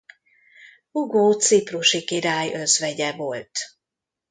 Hugó ciprusi király özvegye volt.